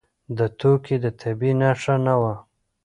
دا توکی د طبقې نښه نه وه.